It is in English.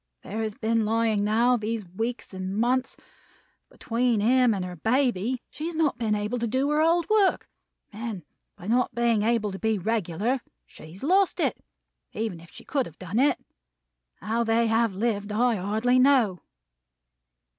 There he has been lying, now, these weeks and months. Between him and her baby, she has not been able to do her old work; and by not being able to be regular, she has lost it, even if she could have done it. How they have lived, I hardly know!"